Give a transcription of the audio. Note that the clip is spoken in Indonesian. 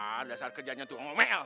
haa dasar kerjanya tuh ngomel